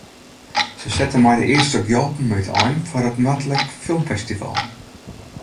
Se sette mei de earste gjalpen útein foar it Noardlik Film Festival.